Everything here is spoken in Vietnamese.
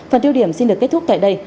phần tiêu điểm xin được kết thúc tại đây